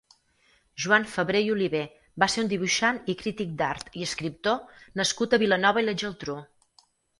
Joan Fabré i Oliver va ser un dibuixant i crític d’art i escriptor nascut a Vilanova i la Geltrú.